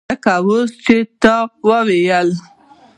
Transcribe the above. لکه دا اوس چې تا وویلې.